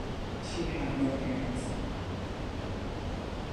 She had no parents.